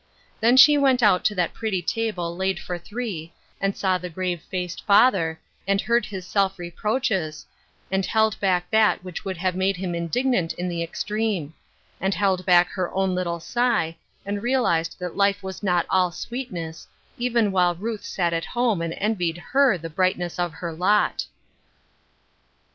Then she went out to that pretty table laid for three, and saw the grave faced father, and heard his self reproaches, and held back that which would have made him indignant in the extreme ; and held back her own little sigh, and realized that life was not all sweetness, even while Ruth sat at home and envied her the brightness oi her lot.